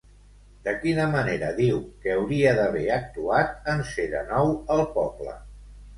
De quina manera diu que hauria d'haver actuat en ser de nou al poble?